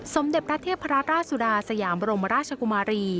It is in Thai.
สมเด็จพระเทพราชสุดาสยามบรมราชกุมารี